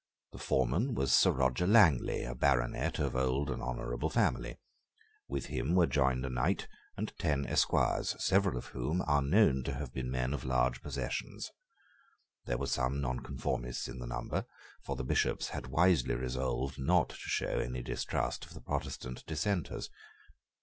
The foreman was Sir Roger Langley, a baronet of old and honourable family. With him were joined a knight and ten esquires, several of whom are known to have been men of large possessions. There were some Nonconformists in the number; for the Bishops had wisely resolved not to show any distrust of the Protestant Dissenters.